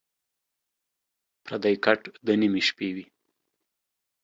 پردی کټ دَ نیمې شپې وي